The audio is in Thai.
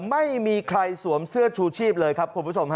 ไม่มีใครสวมเสื้อชูชีพเลยครับ